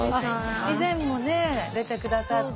以前もね出て下さった。